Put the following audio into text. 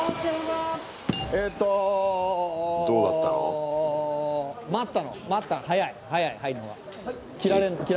どうだったの？